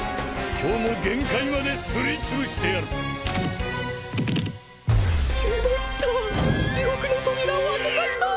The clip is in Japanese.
今日も限界まですりつぶしてやるしまった地獄の扉を開けちゃった！